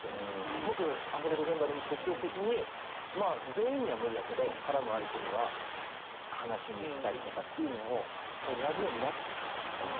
僕アフレコ現場でも積極的に全員には無理だけど絡む相手には話しにいったりとかっていうのをやるようになった。